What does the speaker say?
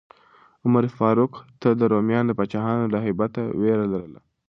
عمر فاروق ته د رومیانو پاچاهانو له هیبته ویره لرله.